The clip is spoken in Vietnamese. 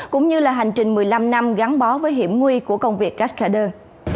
cũng như là hành trình một mươi năm năm gắn bó với hiểm nguy của công việc kascarder